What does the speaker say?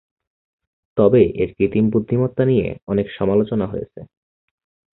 তবে এর কৃত্রিম বুদ্ধিমত্তা নিয়ে অনেক সমালোচনা হয়েছে।